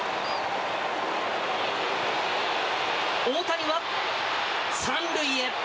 大谷は三塁へ。